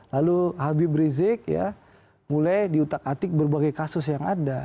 lalu habib rizik ya mulai diutak atik berbagai kasus yang ada